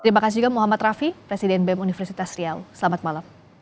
terima kasih juga muhammad rafi presiden bem universitas riau selamat malam